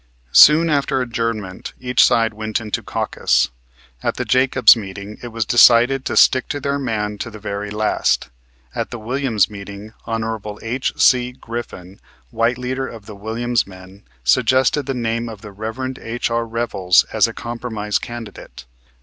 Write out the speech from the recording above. Soon after adjournment each side went into caucus. At the Jacobs meeting it was decided to stick to their man to the very last. At the Williams meeting Hon. H.C. Griffin, white leader of the Williams men, suggested the name of the Rev. H.R. Revels as a compromise candidate.